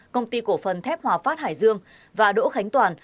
công ty cổ phần thép hòa phát hải dương và đỗ khánh toàn